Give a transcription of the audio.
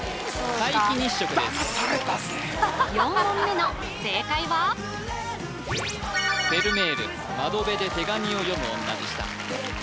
皆既日食ですだまされたぜ４問目の正解はフェルメール「窓辺で手紙を読む女」でした